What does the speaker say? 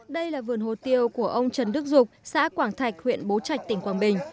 đây là vườn hồ tiêu của ông trần đức dục xã quảng thạch huyện bố trạch tỉnh quảng bình